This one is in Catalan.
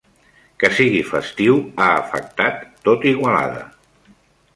Que sigui festiu ha afectat tot Igualada.